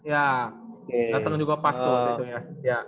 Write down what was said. ya dateng juga pas kok gitu ya